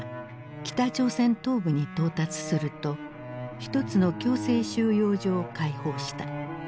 北朝鮮東部に到達すると一つの強制収容所を解放した。